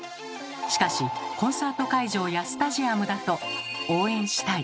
しかしコンサート会場やスタジアムだと「応援したい！」